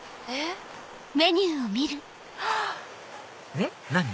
えっ何？